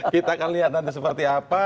kita akan lihat nanti seperti apa